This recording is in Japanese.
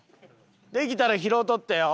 できたら拾うとってよ。